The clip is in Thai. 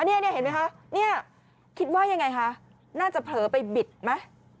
นี่มีคิดว่าอย่างไรคะน่าจะเพลิยไปบิดไหม